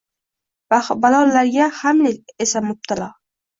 Balolarga Hamlet esa mubtalo?